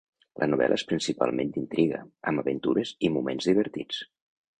La novel·la és principalment d'intriga, amb aventures i moments divertits.